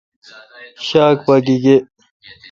شاک پا گیگے°